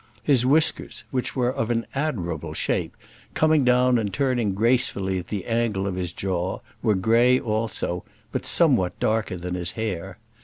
His whiskers, which were of an admirable shape, coming down and turning gracefully at the angle of his jaw, were grey also, but somewhat darker than his hair.